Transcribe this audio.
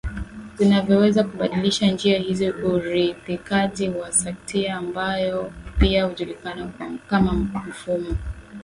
zinavyoweza kubadilisha njia hizi Uridhikaji wa sakitiambayo pia hujulikana kama mfumo